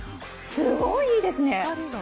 すごいいいですね！